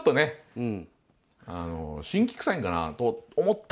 うん。